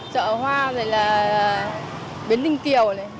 chợ hoa biển ninh kiều